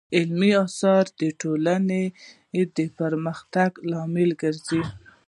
علمي اثار د ټولنې د پرمختګ لامل ګرځي.